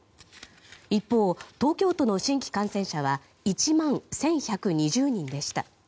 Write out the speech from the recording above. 一方、東京都の新規感染者は１万１１２０人でした。